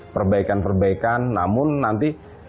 perbaikan perbaikan namun nanti